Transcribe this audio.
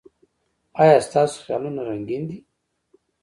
ایا ستاسو خیالونه رنګین دي؟